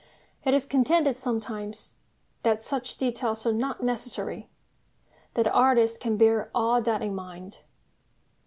It is contended sometimes that such details are not necessary, that the artist can bear all that in mind.